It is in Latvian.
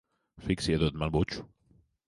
Fiksi iedod man buču.